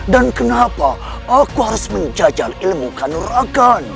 dan kenapa aku harus menjajal ilmu kanuragan